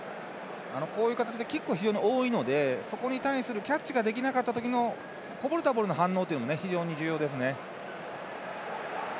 こういう形でキックが多いのでそこに対するキャッチができなかった時のこぼれたボールの反応というのが非常に重要ですね。